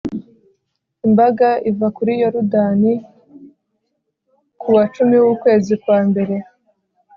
imbaga iva kuri yorudani ku wa cumi w'ukwezi kwa mbere